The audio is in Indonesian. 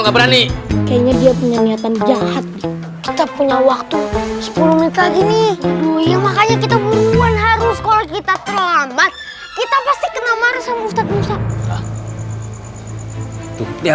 gimana tuh bocah ya